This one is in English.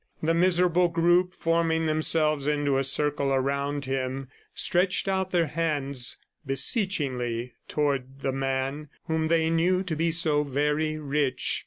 The miserable group, forming themselves into a circle around him, stretched out their hands beseechingly toward the man whom they knew to be so very rich.